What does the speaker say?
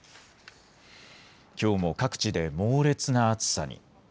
きょうも各地で猛烈な暑さに。